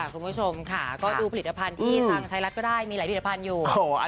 คุณผู้ชมค่ะก็ดูผลิตภัณฑ์ที่ทางไทยรัฐก็ได้มีหลายผลิตภัณฑ์อยู่